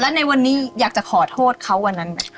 และในวันนี้อยากจะขอโทษเขาวันนั้นไหม